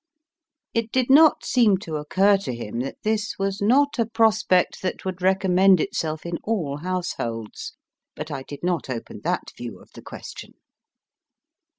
It did not seem to occur to him that this was not a prospect that would recommend itself in all households; but I did not open that view of the question.